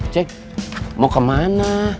cek mau kemana